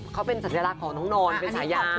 เขาเป็นสัญลักษณ์ของน้องนอนเป็นฉายา